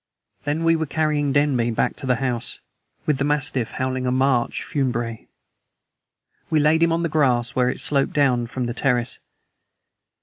Then we were carrying Denby back to the house, with the mastiff howling a marche funebre. We laid him on the grass where it sloped down from the terrace.